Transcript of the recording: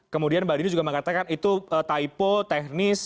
kemudian mbak dini juga mengatakan itu typo teknis